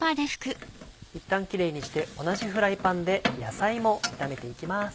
いったんキレイにして同じフライパンで野菜も炒めていきます。